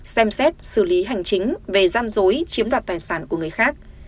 xem xét xử lý hành chính về gian dối chiếm đoạt tài sản của người khác